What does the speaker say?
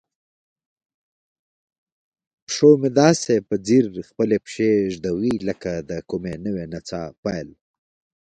پیشو مې داسې په ځیر خپلې پښې ږدوي لکه د کومې نوې نڅا پیل.